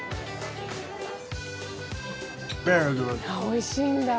おいしいんだ。